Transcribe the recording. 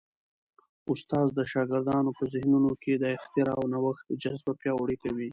استاد د شاګردانو په ذهنونو کي د اختراع او نوښت جذبه پیاوړې کوي.